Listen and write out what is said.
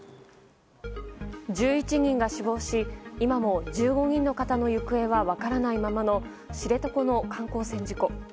１１人が死亡し今も１５人の方の行方は分からないままの知床の観光船事故。